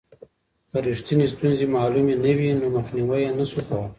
که رښتینې ستونزې معلومې نه وي نو مخنیوی یې نسو کولای.